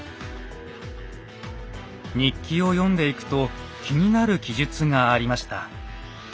日記を読んでいくと気になる記述がありました。